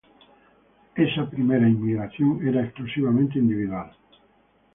Esa primera inmigración era exclusivamente individual.